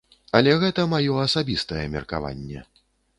Але гэтае маё асабістае меркаванне.